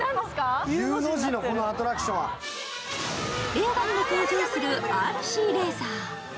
映画にも登場するＲＣレーサー。